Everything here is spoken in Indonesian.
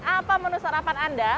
apa menu sarapan anda